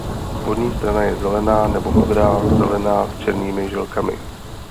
Spodní strana je zelená nebo modrá zelená s černými žilkami.